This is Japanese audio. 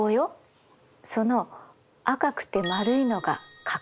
その赤くて丸いのが核。